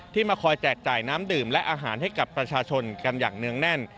มาคอยแจกจ่ายน้ำดื่มและอาหารให้กับประชาชนกันอย่างเนื่องแน่น